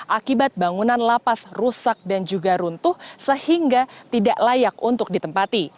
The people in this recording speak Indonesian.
akibat bangunan lapas rusak dan juga runtuh sehingga tidak layak untuk ditempati